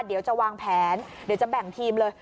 เดี๋ยวจะวางแผนเดี๋ยวจะแบ่งทีมเลย